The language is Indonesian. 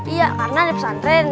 iya karena ada pesantren